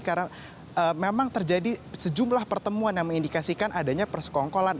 karena memang terjadi sejumlah pertemuan yang mengindikasikan adanya persekongkolan